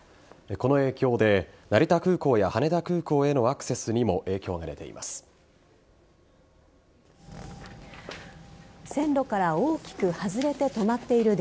この影響で成田空港や羽田空港へのアクセスにも影響が出ています。